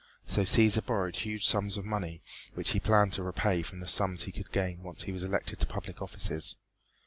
So Cæsar borrowed huge sums of money which he planned to repay from the sums he could gain when once he was elected to public offices.